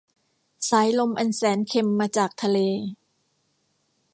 สายลมอันแสนเค็มมาจากทะเล